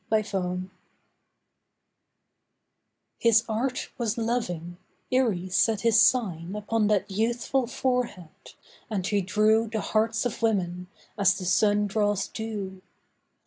REMEMBERED His art was loving; Eres set his sign Upon that youthful forehead, and he drew The hearts of women, as the sun draws dew.